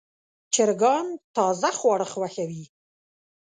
چرګان تازه خواړه خوښوي.